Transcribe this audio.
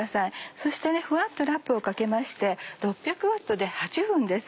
そしてふわっとラップをかけまして６００Ｗで８分です